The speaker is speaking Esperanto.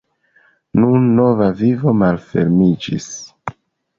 Nun nova vivo malfermiĝis.